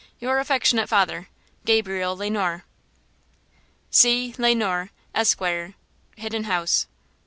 Your Affectionate Father, GABRIEL LE NOIR, C. LE NOIR, ESQ., Hidden House.